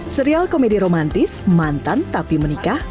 serial komedi romantis mantan tapi menikah